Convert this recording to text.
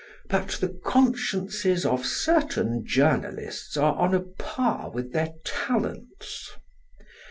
But the consciences of certain journalists are on a par with their talents."